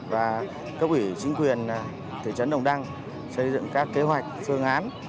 và cấp ủy chính quyền tỉnh đồng đăng xây dựng các kế hoạch phương án